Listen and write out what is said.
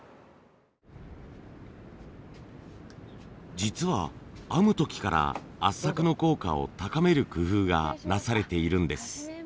実は編む時から圧搾の効果を高める工夫がなされているんです。